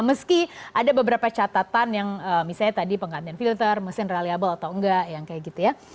meski ada beberapa catatan yang misalnya tadi penggantian filter mesin reliable atau enggak yang kayak gitu ya